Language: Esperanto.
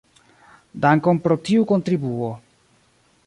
Dankon pro tiu kontribuo.